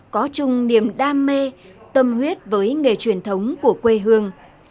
có chung niềm đam mê tâm huyết với nghề truyền thống của quê hương